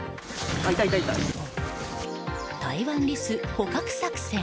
タイワンリス捕獲作戦。